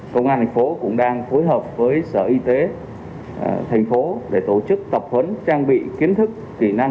công an tp hcm cũng đang phối hợp với sở y tế tp hcm để tổ chức tập huấn trang bị kiến thức kỹ năng